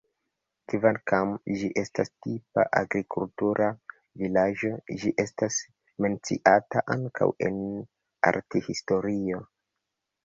Kvankam ĝi estas tipa agrikultura vilaĝo, ĝi estas menciata ankaŭ en arthistorio.